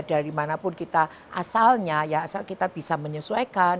dari manapun kita asalnya ya asal kita bisa menyesuaikan